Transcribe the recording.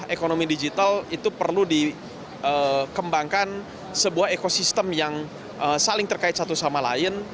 ekonomi digital itu perlu dikembangkan sebuah ekosistem yang saling terkait satu sama lain